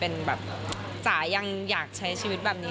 เป็นแบบจ๋ายังอยากใช้ชีวิตแบบนี้